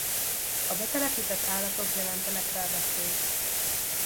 A betelepített állatok jelentenek rá veszélyt.